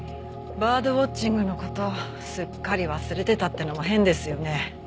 バードウォッチングの事すっかり忘れてたっていうのも変ですよね。